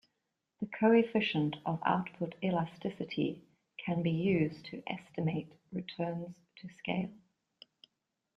The coefficient of output elasticity can be used to estimate returns to scale.